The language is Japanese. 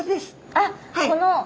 あっこの。